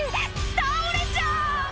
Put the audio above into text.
倒れちゃう！